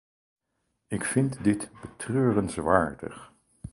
Ik vind dit betreurenswaardig.